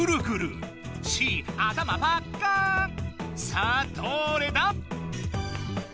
さあどれだ？